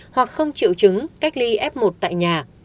hoặc không triệu chứng cách ly f một tại nhà